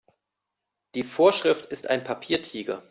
Die Vorschrift ist ein Papiertiger.